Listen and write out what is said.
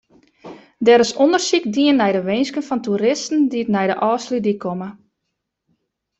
Der is ûndersyk dien nei de winsken fan toeristen dy't nei de Ofslútdyk komme.